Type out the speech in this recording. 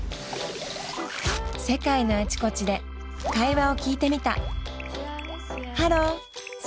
世界のあちこちで会話を聞いてみた。